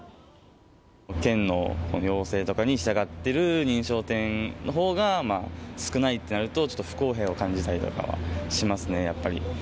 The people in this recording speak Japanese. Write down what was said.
県の要請とかに従ってる認証店のほうが少ないってなると、ちょっと不公平を感じたりとかはしますね、やっぱり。